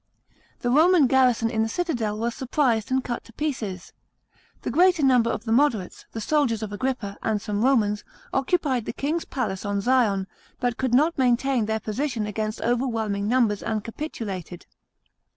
The Roman garrison in the citadel was surprised and cut to pieces. The greater number of the moderates, the soldiers of Agrippa, and some Romans, occupied the king's palace on Zion, but could not maintain their position against overwhelming numbers, and capitulated.